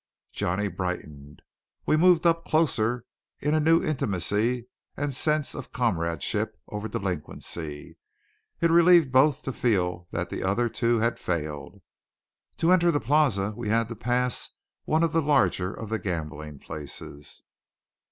Johnny brightened; we moved up closer in a new intimacy and sense of comradeship over delinquency. It relieved both to feel that the other, too, had failed. To enter the Plaza we had to pass one of the larger of the gambling places.